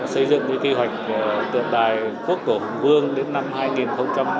xây dựng quy hoạch tượng đài quốc của hùng vương đến năm hai nghìn ba mươi năm